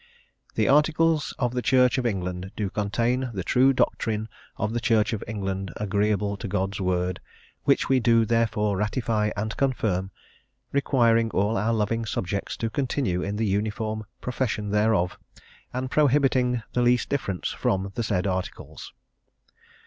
"The Articles of the Church of England do contain the true doctrine of the Church of England agreeable to God's word; which we do therefore ratify and confirm, requiring all our loving subjects to continue in the uniform profession thereof, and prohibiting the least difference from the said Articles."